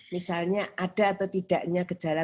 misalnya ada atau tidaknya gejala